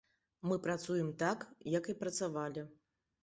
Мы працуем так, як і працавалі.